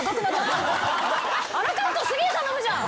アラカルトすげぇ頼むじゃん！